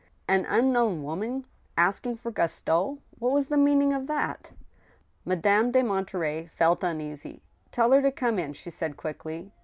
An unknown woman asking for Gaston I What was the mean ing of that ? Madame de Monterey felt uneasy. " Tell her to come in," she said, quickly.